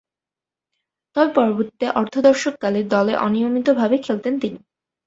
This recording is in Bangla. তবে পরবর্তী অর্ধ-দশককাল দলে অনিয়মিতভাবে খেলতেন তিনি।